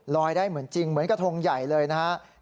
ได้เหมือนจริงเหมือนกระทงใหญ่เลยนะครับ